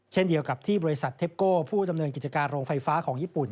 เช่นเดียวกับที่บริษัทเทปโก้ผู้ดำเนินกิจการโรงไฟฟ้าของญี่ปุ่น